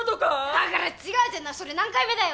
だから違うってのそれ何回目だよ？